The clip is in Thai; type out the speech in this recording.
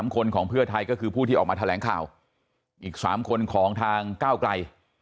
๓คนของเพื่อไทยก็คือผู้ที่ออกมาแถลงข่าวอีก๓คนของทางก้าวไกล